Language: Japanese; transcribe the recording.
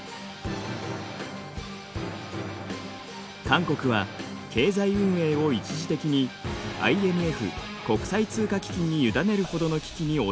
韓国は経済運営を一時的にＩＭＦ国際通貨基金に委ねるほどの危機に陥ったのです。